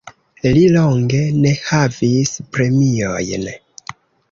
Li longe ne havis premiojn.